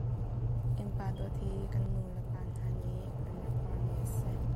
Innpa dawt hi kan nulepa hna nih an rak uarmi a si.